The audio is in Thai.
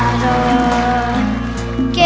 ขอบคุณครับ